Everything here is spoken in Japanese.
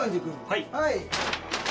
はい。